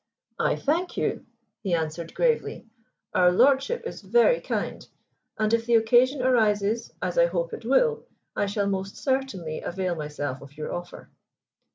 "I thank you," he answered gravely, "our lordship is very kind, and if the occasion arises, as I hope it will, I shall most certainly avail myself of your offer."